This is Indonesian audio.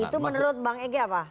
itu menurut bank eg apa